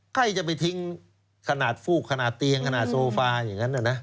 ใครจะไปทิ้งขนาดฟูกขนาดเตียงขนาดโซฟาอย่างนั้นนะ